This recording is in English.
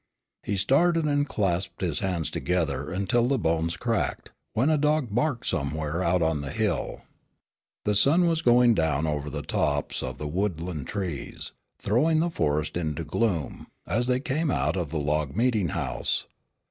He started and clasped his hands together until the bones cracked, when a dog barked somewhere out on the hill. The sun was going down over the tops of the woodland trees, throwing the forest into gloom, as they came out of the log meeting house.